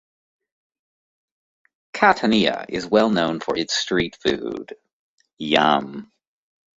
Catania is well known for its street food.